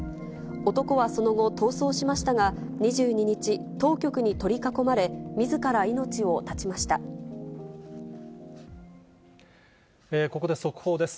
男はその後、逃走しましたが、２２日、当局に取り囲まれ、ここで速報です。